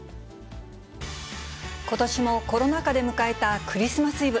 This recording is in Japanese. ことしもコロナ禍で迎えたクリスマスイブ。